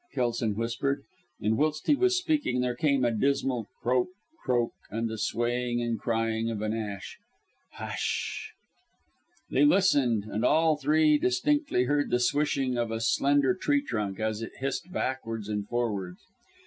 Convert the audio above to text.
Kelson whispered and whilst he was speaking there came a dismal croak, croak, and the swaying and crying of an ash "Hush!" They listened and all three distinctly heard the swishing of a slender tree trunk as it hissed backwards and forwards.